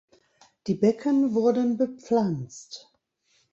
Die Becken wurden bepflanzt.